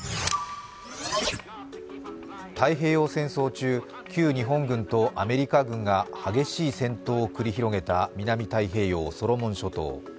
太平洋戦争中、旧日本軍とアメリカ軍が激しい戦闘を繰り広げた南太平洋ソロモン諸島。